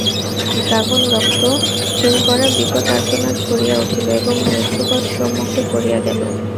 Dragon রক্ত হিম-করা বিকট আর্তনাদ করিয়া উঠিল এবং মৃত্যুবৎ সম্মুখে পড়িয়া গেল।